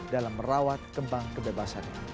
dalam merawat kembang kebebasannya